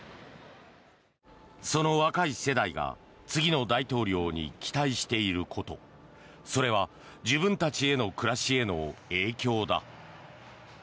その若い世代が次の大統領に期待していることそれは自分たちの暮らしへの影響だ。